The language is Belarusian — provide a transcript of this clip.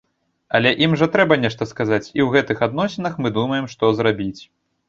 Але ім жа трэба нешта сказаць, і ў гэтых адносінах мы думаем, што зрабіць.